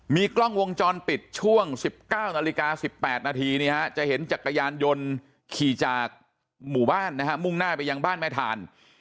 มีกล้องวงจรปิดช่วง๑๙นาฬิกา๑๘นาทีจะเห็นจักรยานยนต์ขี่จากหมู่บ้านนะฮะมุ่งหน้าไปยังบ้านแม่ทาน